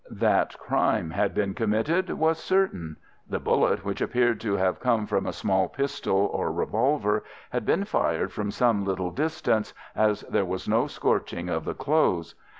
That crime had been committed was certain. The bullet, which appeared to have come from a small pistol or revolver, had been fired from some little distance, as there was no scorching of the clothes.